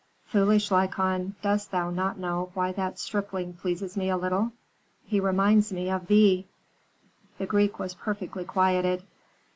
"Foolish Lykon, dost thou not know why that stripling pleases me a little? He reminds me of thee " The Greek was perfectly quieted.